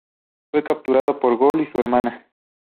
Fue capturado por Gol y su hermana.